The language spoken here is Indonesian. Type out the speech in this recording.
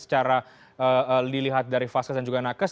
secara dilihat dari vaskes dan juga nakes